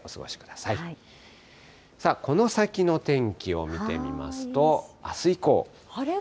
さあ、この先の天気を見てみますと、あす以降。